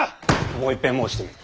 もういっぺん申してみよ。